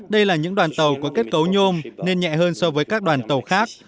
đây là những đoàn tàu có kết cấu nhôm nên nhẹ hơn so với các đoàn tàu khác